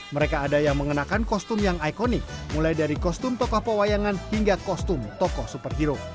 mereka ada yang mengenakan kostum yang ikonik mulai dari kostum tokoh pewayangan hingga kostum tokoh superhero